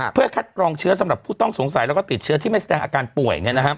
เพื่อคัดกรองเชื้อสำหรับผู้ต้องสงสัยแล้วก็ติดเชื้อที่ไม่แสดงอาการป่วย